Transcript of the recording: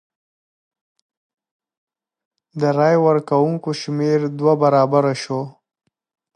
د رای ورکوونکو شمېر دوه برابره شو.